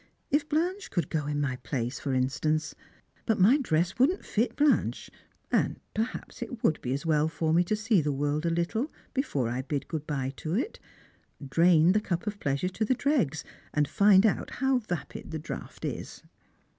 "If Blanche could go in my place, for instance. But my dress wouldn't fit Blanche; and perhaps it would be as well for me to see the world a little before I bid good bye to it, drain the cup of pleasure to the dregs, and find out how vapid the draught is."